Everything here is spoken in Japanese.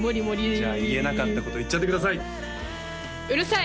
じゃあ言えなかったこと言っちゃってくださいうるさい！